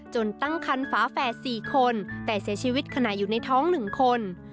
ตั้งคันฝาแฝด๔คนแต่เสียชีวิตขณะอยู่ในท้อง๑คน